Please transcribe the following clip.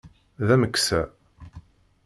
D ameksa.